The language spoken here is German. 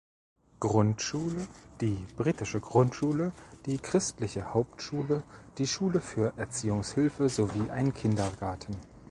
Grundschule, die Britische Grundschule, die Christliche Hauptschule, die Schule für Erziehungshilfe sowie ein Kindergarten.